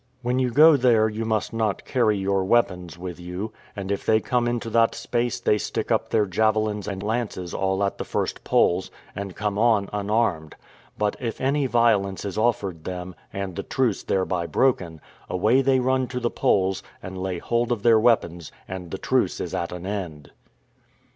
When you go there you must not carry your weapons with you; and if they come into that space they stick up their javelins and lances all at the first poles, and come on unarmed; but if any violence is offered them, and the truce thereby broken, away they run to the poles, and lay hold of their weapons, and the truce is at an end.